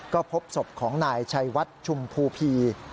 ก็พบศพของนายชัยวัดชุมภูพี